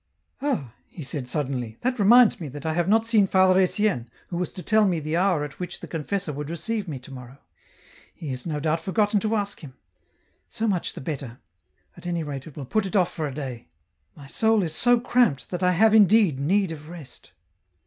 "Ah," he said suddenly, " that reminds me that I have not seen Father Etienne, who was to tell me the hour at which the confessor would receive me to morrow ; he has 1 68 EN ROUTE. no doubt forgotten to ask him ; so much the better. At any rate it will put it off for a day ; my soul is so cramped that I have indeed need of rest."